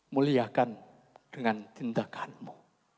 muliakan dengan tindakanmu